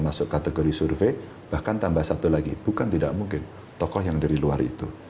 masuk kategori survei bahkan tambah satu lagi bukan tidak mungkin tokoh yang dari luar itu